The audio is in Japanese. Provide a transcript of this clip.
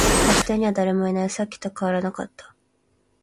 バス停には誰もいない。さっきと変わらなかった。